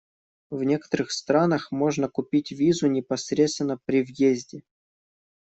В некоторых странах можно купить визу непосредственно при въезде.